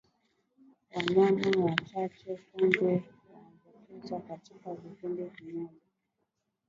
Wanyama wachache kwenye kundi huambukizwa katika kipindi kimoja